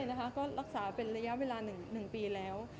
ใช่นะคะก็รักษาเป็นระยะเวลา๑ปีแล้ว